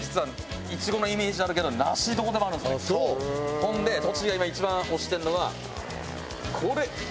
ほんで栃木が今一番推してるのがこれ。